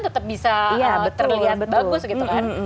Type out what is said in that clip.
tetap bisa terlihat bagus gitu kan